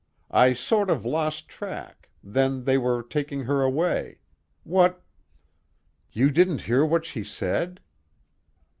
I sort of lost track, then they were taking her away. What " "You didn't hear what she said?"